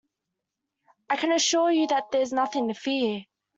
I can assure you that there is nothing to fear